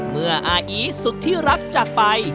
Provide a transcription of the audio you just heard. เมื่ออาอีสุดที่รักจากไป